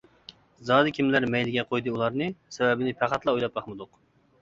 زادى كىملەر مەيلىگە قويدى ئۇلارنى؟ سەۋەبىنى پەقەتلا ئويلاپ باقمىدۇق.